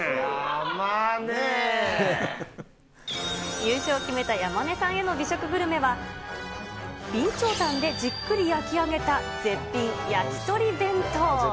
優勝を決めた山根さんへの美食グルメは、備長炭でじっくり焼き上げた絶品焼鳥弁当。